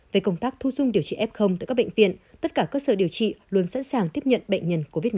về công tác thu dung điều trị f tại các bệnh viện tất cả cơ sở điều trị luôn sẵn sàng tiếp nhận bệnh nhân covid một mươi chín